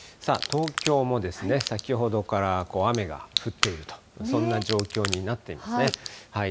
東京も先ほどから雨が降っていると、そんな状況になっていますね。